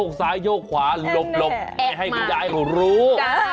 พวกซ้ายโยกขวาหลบให้มันได้รู้